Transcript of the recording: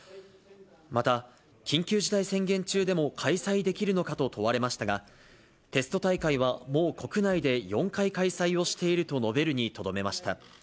また、緊急事態宣言中でも開催できるのかと問われましたが、テスト大会はもう国内で４回開催をしていると述べるにとどめました。